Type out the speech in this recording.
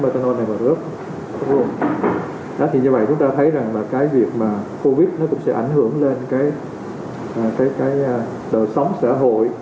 đó thì như vậy chúng ta thấy rằng là cái việc mà covid nó cũng sẽ ảnh hưởng lên cái đời sống xã hội